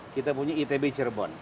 kita punya itb cirebon